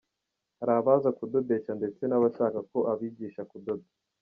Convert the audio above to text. Hari abaza kudodesha ndetse n’abashaka ko abigisha kudoda.